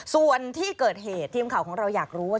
ส่วนที่เกิดเหตุทีมข่าวของเราอยากรู้ว่า